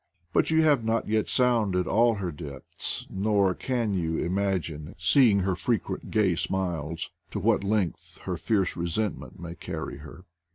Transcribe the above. But you have not yet sounded all her depths ; nor can you im agine, seeing her frequent gay smiles, to what length her fierce resentment may carry her.